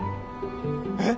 えっ！？